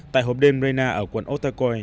tại hộp đêm reyna ở quận otakoy